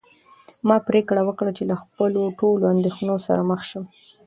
ما پرېکړه وکړه چې له خپلو ټولو اندېښنو سره مخ شم.